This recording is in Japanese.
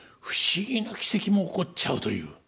不思議な奇跡も起こっちゃうという。